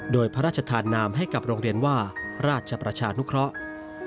โดยพระราชทานนามให้กับโรงเรียนว่าราชประชานุเคราะห์